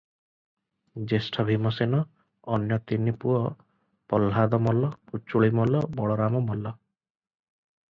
ଜ୍ୟେଷ୍ଠ ଭୀମସେନ, ଅନ୍ୟ ତିନି ପୁଅ ପହ୍ଲାଦ ମଲ୍ଲ, କୁଚୁଳି ମଲ୍ଲ, ବଳରାମ ମଲ୍ଲ ।